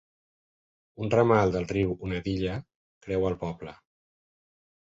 Un ramal del riu Unadilla creua el poble.